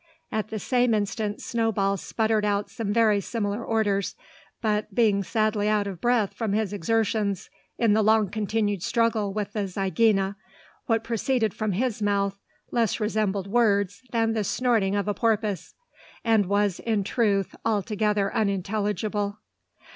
At the same instant Snowball sputtered out some very similar orders; but being sadly out of breath from his exertions in the long continued struggle with the zygaena, what proceeded from his mouth less resembled words than the snorting of a porpoise; and was, in truth, altogether unintelligible.